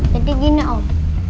jadi gini om